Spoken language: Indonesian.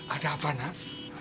ada apa nak